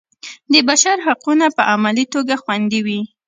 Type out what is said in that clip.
د بشر حقونه په عملي توګه خوندي وي.